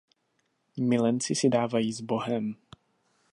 Milenci si dávají sbohem.